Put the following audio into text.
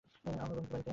আমার বন্ধুর বাড়িতে।